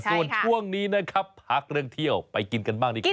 ส่วนช่วงนี้นะครับพักเรื่องเที่ยวไปกินกันบ้างดีกว่า